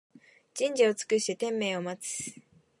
じんじをつくしててんめいをまつ